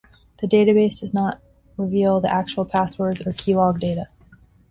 The database does not reveal the actual passwords or keylogged data.